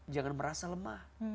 jangan merasa lemah